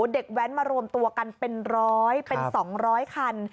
แว้นมารวมตัวกันเป็นร้อยเป็น๒๐๐คัน